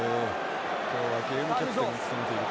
今日はゲームキャプテンを務めています。